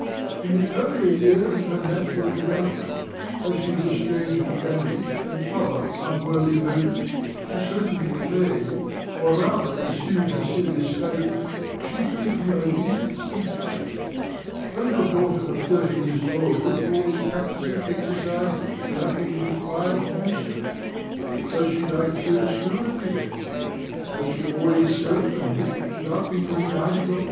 In the earlier years of her natural development, as she was a stranger to vanity and other unworthy motives, she certainly played, or rather pursued her serious studies, chiefly from obedience and habit. Does your daughter of thirteen years old always practise her exercises without being required to do so? Does she like to go to school every day? Does she always sew and knit without being reminded of it?